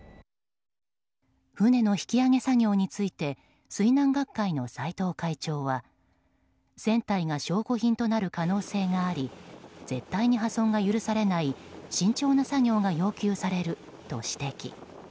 船の引き揚げ作業について水難学会の斎藤会長は船体が証拠品となる可能性があり絶対に破損が許されない慎重な作業が要求されると指摘。